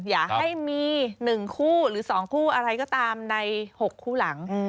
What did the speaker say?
อย่าให้มี๑คู่หรือ๒คู่อะไรก็ตามใน๖คู่หลัง